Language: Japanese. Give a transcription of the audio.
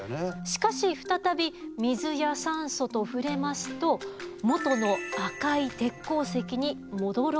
しかし再び水や酸素と触れますと元の赤い鉄鉱石に戻ろうとする。